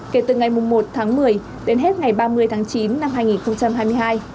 kể từ ngày một tháng một mươi đến hết ngày ba mươi tháng chín năm hai nghìn hai mươi hai